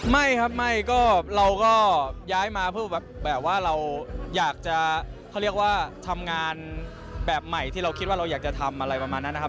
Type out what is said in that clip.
ไม่ครับไม่ก็เราก็ย้ายมาเพื่อแบบว่าเราอยากจะเขาเรียกว่าทำงานแบบใหม่ที่เราคิดว่าเราอยากจะทำอะไรประมาณนั้นนะครับ